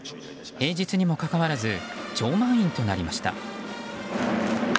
平日にもかかわらず超満員となりました。